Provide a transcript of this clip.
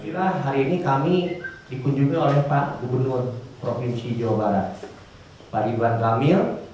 dan posisi beliau tentunya tidak dalam posisi intervensi